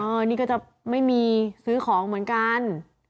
อันนี้ก็จะไม่มีซื้อของเหมือนกัน